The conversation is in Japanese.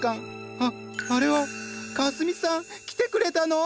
あっあれはかすみさん来てくれたの？